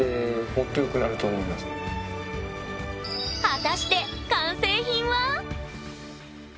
果たして完成品は？